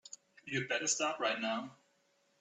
You'd better start right now.